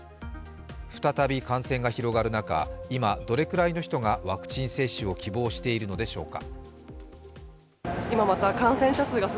再び感染が広がる中、今どれくらいの人がワクチン接種を希望しているのでしょうか。